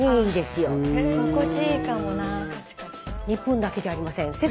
日本だけじゃありません。